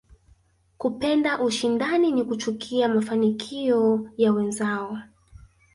Kupenda ushindani na kuchukia mafanikio ya wenzao